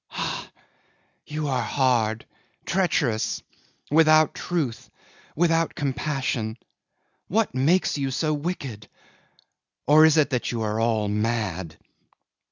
Ah! you are hard, treacherous, without truth, without compassion. What makes you so wicked? Or is it that you are all mad?"